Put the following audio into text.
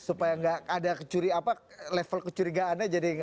supaya nggak ada level kecurigaannya